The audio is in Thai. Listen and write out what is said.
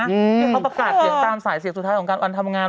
ที่เขาประกาศเสียงตามสายเสียงสุดท้ายของการวันทำงาน